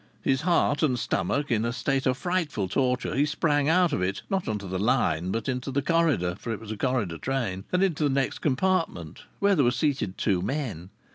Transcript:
His heart and stomach in a state of frightful torture, he sprang out of it not on to the line, but into the corridor (for it was a corridor train) and into the next compartment, where were seated two men.